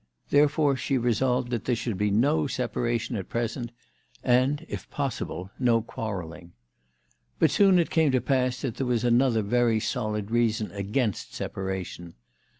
Therefore she resolved that there should be no separation at present ; and, if possible, no quar relling. But soon it came to pass that there was another very solid reason against separation.